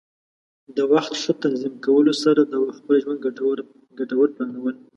د وخت ښه تنظیم کولو سره د خپل ژوند ګټوره پلانول.